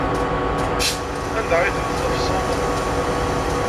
Anda ay tent-tḍefseḍ?